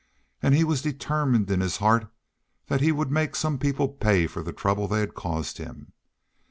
And he was determined in his heart that he would make some people pay for the trouble they had caused him.